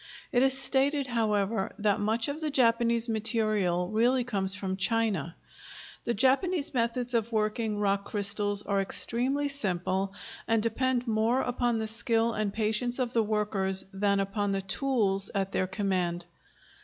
It is stated, however, that much of the Japanese material really comes from China. The Japanese methods of working rock crystals are extremely simple and depend more upon the skill and patience of the workers than upon the tools at their command.